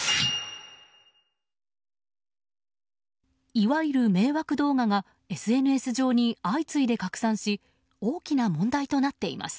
いわゆる迷惑動画がＳＮＳ上に相次いで拡散し大きな問題となっています。